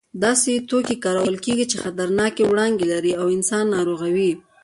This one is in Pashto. داسې توکي کارول کېږي چې خطرناکې وړانګې لري او انسان ناروغوي.